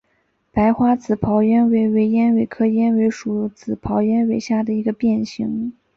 白花紫苞鸢尾为鸢尾科鸢尾属紫苞鸢尾下的一个变型。